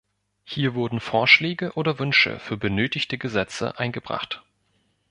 Hier wurden Vorschläge oder Wünsche für benötigte Gesetze eingebracht.